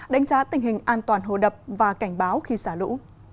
đánh giá tình hình an toàn hồ đập và cảnh báo khi xả lũ